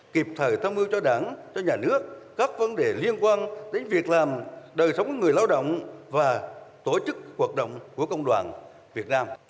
kịp thời tham mưu cho đảng cho nhà nước các vấn đề liên quan đến việc làm đời sống của người lao động và tổ chức hoạt động của công đoàn việt nam